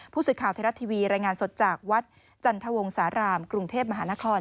ผู้สื่อข่าวไทยรัฐทีวีรายงานสดจากวัดจันทวงสารามกรุงเทพมหานคร